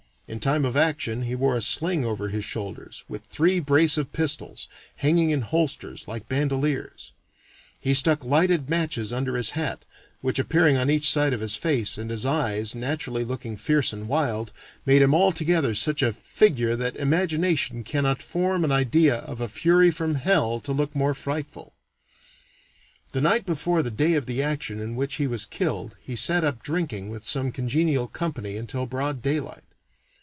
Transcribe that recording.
In time of action he wore a sling over his shoulders, with three brace of pistols, hanging in holsters like bandoleers; he stuck lighted matches under his hat, which, appearing on each side of his face, and his eyes naturally looking fierce and wild, made him altogether such a figure that imagination cannot form an idea of a Fury from hell to look more frightful." The night before the day of the action in which he was killed he sat up drinking with some congenial company until broad daylight.